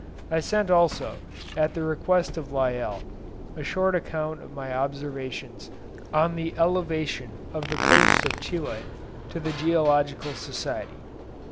I sent also, at the request of Lyell, a short account of my observations on the elevation of the coast of Chile to the Geological Society.